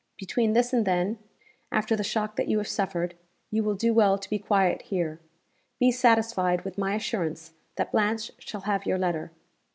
Between this and then, after the shock that you have suffered, you will do well to be quiet here. Be satisfied with my assurance that Blanche shall have your letter.